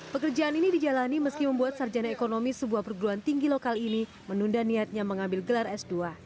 pekerjaan ini dijalani meski membuat sarjana ekonomi sebuah perguruan tinggi lokal ini menunda niatnya mengambil gelar s dua